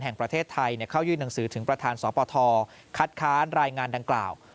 แห่งประเทศไทยเข้ายื่นหนังสือถึงประธานสปทคัดค้านรายงานดังกล่าว